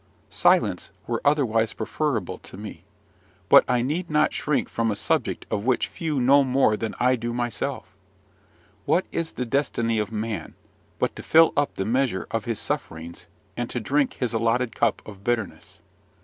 Silence were otherwise preferable to me, but I need not shrink from a subject of which few know more than I do myself. What is the destiny of man, but to fill up the measure of his sufferings, and to drink his allotted cup of bitterness?